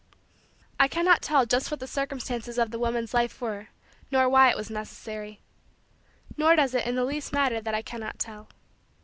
I cannot tell just what the circumstances of the woman's life were nor why it was necessary. Nor does it in the least matter that I cannot tell.